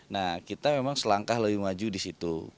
nah kita memang selangkah lebih maju di situ